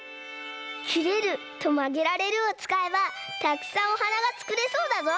「きれる」と「まげられる」をつかえばたくさんおはながつくれそうだぞ！